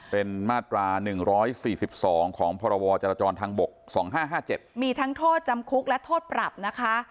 เป็นมาตรา๑๔๒ของพรวรจรทางบก๒๕๕๗มีทั้งโทษจำคุกและโทษปรับนะคะ